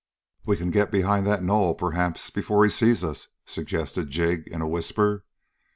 "We can get behind that knoll, perhaps, before he sees us," suggested Jig in a whisper.